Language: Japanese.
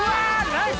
ナイス！